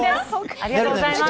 ありがとうございます。